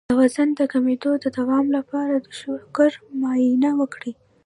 د وزن د کمیدو د دوام لپاره د شکر معاینه وکړئ